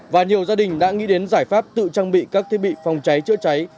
và nhiều gia đình đã nghĩ đến giải pháp tự trang bị các thiết bị phòng cháy chữa cháy